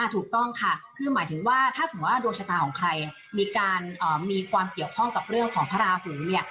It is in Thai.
ถูกต้องค่ะคือหมายถึงว่าถ้าสมมุติว่าดวงชะตาของใครมีการมีความเกี่ยวข้องกับเรื่องของพระราหูเนี่ย